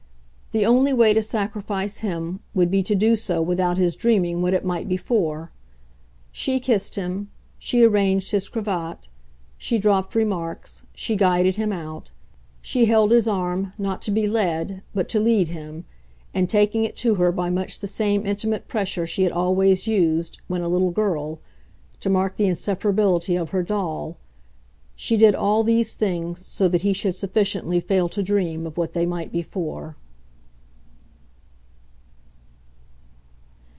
The only way to sacrifice him would be to do so without his dreaming what it might be for. She kissed him, she arranged his cravat, she dropped remarks, she guided him out, she held his arm, not to be led, but to lead him, and taking it to her by much the same intimate pressure she had always used, when a little girl, to mark the inseparability of her doll she did all these things so that he should sufficiently fail to dream of what they might be for.